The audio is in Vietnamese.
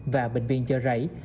và bệnh viện chợ rẫy